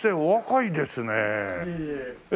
いえいえ。